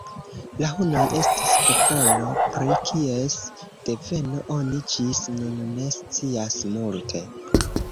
La hunoj estis popolo, pri kies deveno oni ĝis nun ne scias multe.